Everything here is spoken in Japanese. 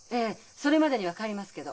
それまでには帰りますけど。